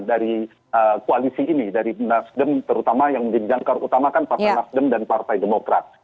dari koalisi ini dari nasdem terutama yang dijangkau utamakan partai nasdem dan partai demokrat